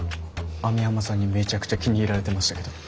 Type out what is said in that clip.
網浜さんにめちゃくちゃ気に入られてましたけど。